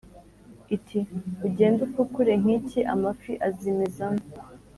iti “Ugende ufukure nk’iki, amafi azimezamo”